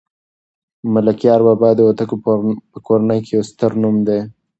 ملکیار بابا د هوتکو په کورنۍ کې یو ستر نوم دی